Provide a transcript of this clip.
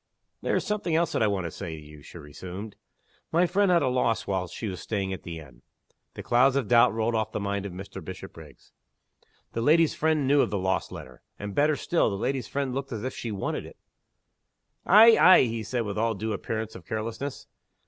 "There is something else that I want to say to you," she resumed. "My friend had a loss while she was staying at the inn." The clouds of doubt rolled off the mind of Mr. Bishopriggs. The lady's friend knew of the lost letter. And, better still, the lady's friend looked as if she wanted it! "Ay! ay!" he said, with all due appearance of carelessness.